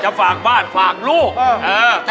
ฝากบ้านฝากลูกเออ